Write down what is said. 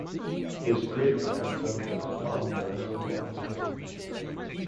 His great-grandson was Don Lorenzo Milani.